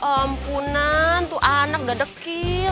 kau ampunan tuh anak udah dekil